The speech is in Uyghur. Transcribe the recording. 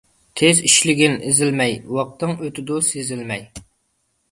تېز ئىشلىگىن ئېزىلمەي، ۋاقتىڭ ئۆتىدۇ سېزىلمەي.